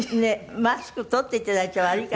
マスク取っていただいちゃ悪いかしら？